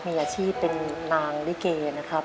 มีอาชีพเป็นนางลิเกนะครับ